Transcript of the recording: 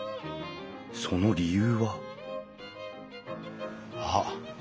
その理由は？あっ！